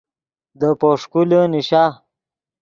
دے پوݰکولے نیشا